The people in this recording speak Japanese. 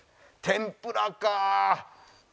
「天ぷらか！」